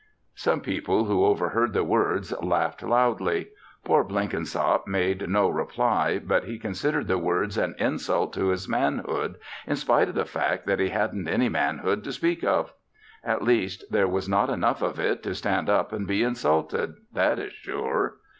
Some people who overheard the words laughed loudly. Poor Blenkinsop made no reply but he considered the words an insult to his manhood in spite of the fact that he hadn't any manhood to speak of. At least, there was not enough of it to stand up and be insulted that is sure.